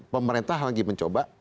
pemerintah lagi mencoba